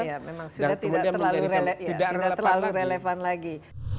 ya memang sudah tidak terlalu relevan lagi